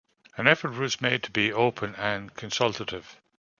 An effort was made to be open and consultative.